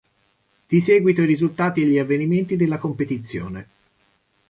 Di seguito i risultati e gli avvenimenti della competizione.